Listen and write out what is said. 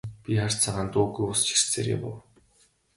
Би хар цагаан дуугүй ус ширтсээр явав.